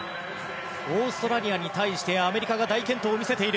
オーストラリアに対してアメリカが大健闘。